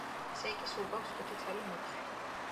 ესე იგი, სულ გვაქვს ხუთი ცალი მოცვი.